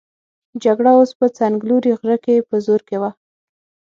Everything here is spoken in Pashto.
جګړه اوس په څنګلوري غره کې په زور کې وه.